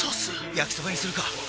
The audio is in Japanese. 焼きそばにするか！